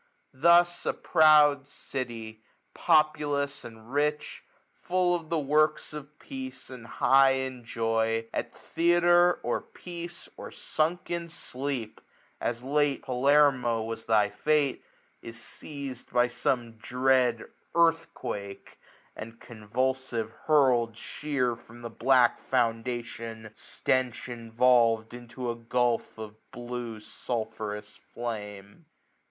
Thus a proud city, populous and rich. Full of the works of peace, and high in joy; 1200 At theatre or feast, or sunk in sleep, (As late, Palermo, was thy fate) is seiz'd By some dread earthquake ; and convulsive hurl'd Sheer from the black foundation, stench involvM, Into a gulph of blue sulphureous flame.